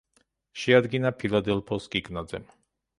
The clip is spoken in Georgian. შეადგინა ფილადელფოს კიკნაძემ.